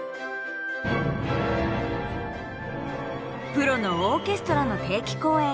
プロのオーケストラの定期公演に。